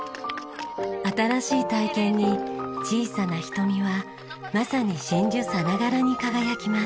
新しい体験に小さな瞳はまさに真珠さながらに輝きます。